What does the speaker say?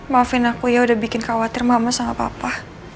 maafin aku ya udah bikin khawatir mama sama papa